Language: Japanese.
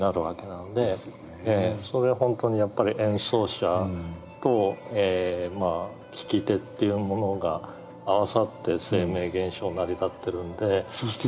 それは本当にやっぱり演奏者と聴き手っていうものが合わさって生命現象は成り立ってるんで。